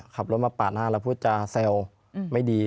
ขับรถมาปาดหน้าแล้วพูดจาแซวไม่ดี